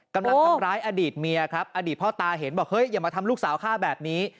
กำลังทำร้ายอดีตเมียครับอดีตพ่อตาเห็นบอกเฮ้ยอย่ามาทำลูกสาวฆ่าแบบนี้